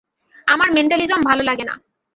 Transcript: আমার মেন্টালিজম ভালো লাগে না।